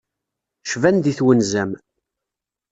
Cban di twenza-m.